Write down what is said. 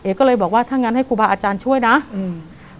ก็เลยบอกว่าถ้างั้นให้ครูบาอาจารย์ช่วยนะอืม